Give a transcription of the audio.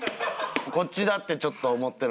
こっちだってちょっと思ってるのは。